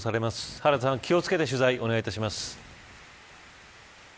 原田さん、気を付けて取材をお願いします。